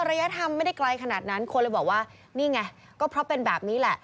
ระยะธรรมไม่ได้ไกลขนาดนั้นคนเลยบอกว่านี่ไงก็เพราะเป็นแบบนี้แหละ